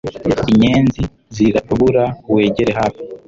Inyenzi zirabura wegere hafi